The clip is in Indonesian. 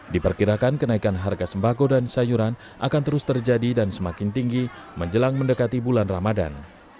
diperkirakan kenaikan harga sembako dan sayuran akan terus terjadi dan semakin tinggi menjelang mendekati bulan ramadan